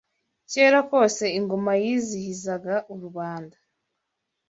Kera kose ingoma yizihizaga rubanda